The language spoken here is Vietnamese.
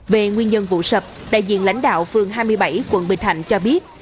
về nguyên nhân vụ sập đại diện lãnh đạo phường hai mươi bảy quận bình thạnh cho biết